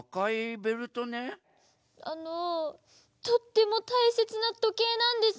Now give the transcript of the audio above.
あのとってもたいせつなとけいなんです。